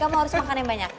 kamu harus makan yang banyak